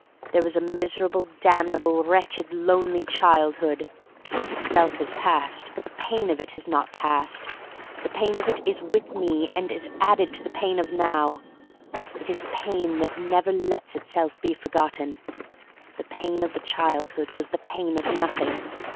There was a miserable, damnable, wretched, lonely childhood. Itself has passed, but the pain of it has not passed. The pain of it is with me and is added to the pain of now. It is pain that never lets itself be forgotten. The pain of the childhood was the pain of Nothing.